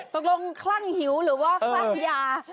ตกลงคลั่งหิวหรือว่าคลั่งยา